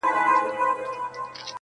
چي عبرت د لوى او کم، خان او نادار سي.!